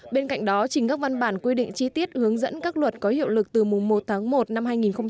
bên cạnh đó trình các văn bản quy định chi tiết hướng dẫn các luật có hiệu lực từ mùa một tháng một năm hai nghìn một mươi bảy